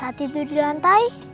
aku bisa tidur di lantai